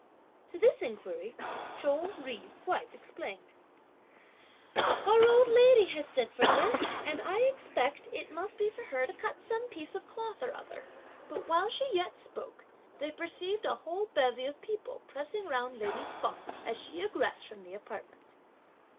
To this inquiry, Chou Jui's wife explained: "Our old lady has sent for her, and I expect, it must be for her to cut some piece of cloth or other." But while she yet spoke, they perceived a whole bevy of people, pressing round lady Feng, as she egressed from the apartment.